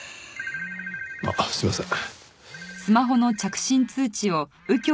あっすいません。